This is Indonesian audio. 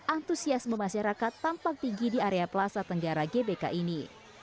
antusiasme masyarakat tampak tinggi di area plaza tenggara gbk ini